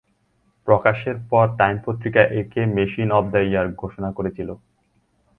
প্রকাশের পর টাইম পত্রিকা একে "মেশিন অফ দ্য ইয়ার" ঘোষণা করেছিল।